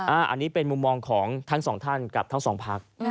อันนี้เป็นมุมมองของทั้งสองท่านกับทั้งสองพัก